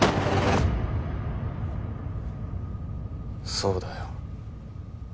そうだよ。